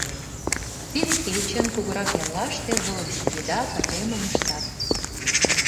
Тиде кечын кугурак яллаште, волость еда, пайремым ыштат.